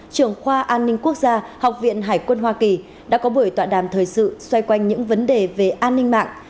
trưởng khoa an ninh quốc gia học viện hải quân hoa kỳ đã có buổi tọa đàm thời sự xoay quanh những vấn đề về an ninh mạng